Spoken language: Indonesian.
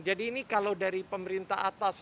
jadi ini kalau dari pemerintah atas